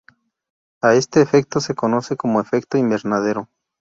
A este efecto se conoce como efecto invernadero.